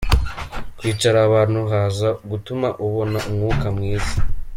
Kwicara ahantu haza gutuma ubona umwuka mwiza,.